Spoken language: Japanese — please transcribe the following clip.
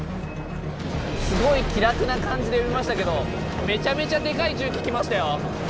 すごい気楽な感じで呼びましたけどめちゃめちゃでかい重機来ましたよ。